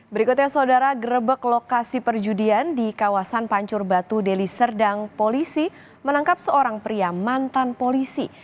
berikutnya saudara gerebek lokasi perjudian di kawasan pancur batu deli serdang polisi menangkap seorang pria mantan polisi